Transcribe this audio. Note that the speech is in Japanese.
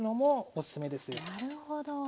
なるほど。